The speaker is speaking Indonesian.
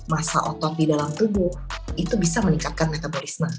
masa otot di dalam tubuh itu bisa meningkatkan metabolisme